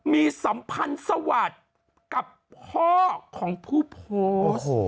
มีสัมพันธ์สวัสดิ์กับพ่อของผู้โพสต์